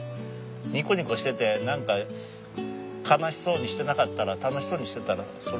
ニコニコしてて何か悲しそうにしてなかったら楽しそうにしてたらそれでいいんよね。